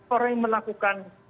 orang yang melakukan